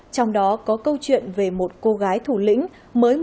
trong đó có câu chuyện về một cô gái thủ lĩnh mới một mươi hai năm sáu năm